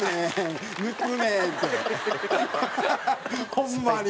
ホンマに。